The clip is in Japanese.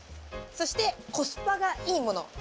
そしてコスパがいいもの。